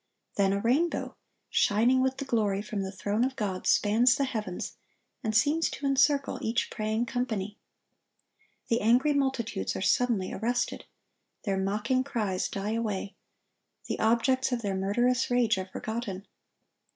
Then a rainbow, shining with the glory from the throne of God, spans the heavens, and seems to encircle each praying company. The angry multitudes are suddenly arrested. Their mocking cries die away. The objects of their murderous rage are forgotten.